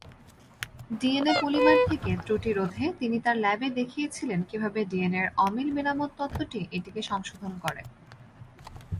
DNA polymer থেকে ত্রুটি রোধে তিনি তার ল্যাবে দেখিয়েছিলেন কিভাবে ডিএনএ-র অমিল মেরামত তত্ত্বটি এটিকে সংশোধন করে।